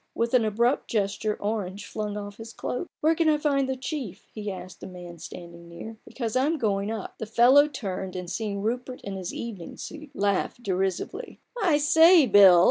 With an abrupt gesture Orange flung off his cloak, "Where can I find the chief?" he asked a man standing near, "because I'm going up!" 44 A BOOK OF BARGAINS. The fellow turned, and seeing Rupert in his evening suit, laughed derisively. " I say, Bill